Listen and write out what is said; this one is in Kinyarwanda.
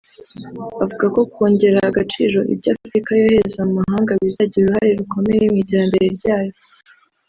avuga ko kongerera agaciro ibyo Afurika yohereza mu mahanga bizagira uruhare rukomeye mu iterambere ryayo